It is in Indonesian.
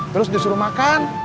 terus disuruh makan